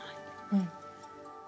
うん。